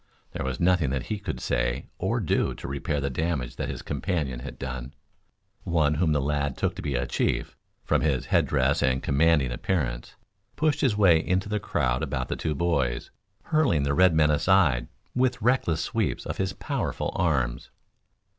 There was nothing that he could say or do to repair the damage that his companion had done. One whom the lad took to be a chief, from his head dress and commanding appearance, pushed his way into the crowd about the two boys, hurling the red men aside with reckless sweeps of his powerful arms.